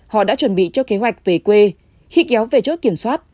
họ đã chuẩn bị cho kế hoạch về quê khi kéo về chốt kiểm soát